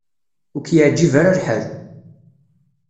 Ur k-yeɛjib ara lḥal.